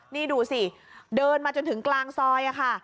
นี่ดูสิเดินมาจนถึงกลางซอยค่ะ